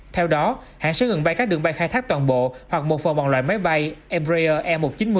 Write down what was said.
theo đó hãng sẽ ngừng bay các đường bay khai thác toàn bộ hoặc một phần bằng loại máy bay embraer e một trăm chín mươi